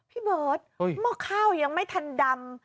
พี่เบิร์ตหม้อข้าวยังไม่ทันดำ